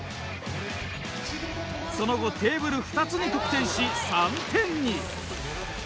その後テーブル２つに得点し３点に。